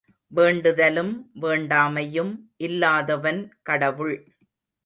வேண்டுதலும் வேண்டாமையும் இல்லாதவன் கடவுள்!